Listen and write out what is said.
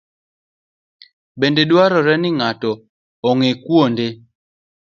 Bende dwarore ni ng'ato ong'e kuonde